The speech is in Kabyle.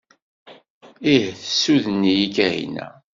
Ih tessuden-iyi Kahina!